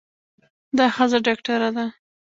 دا ښځه ډاکټره ده.